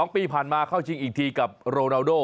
๒ปีผ่านมาเข้าชิงอีกทีกับโรนาโด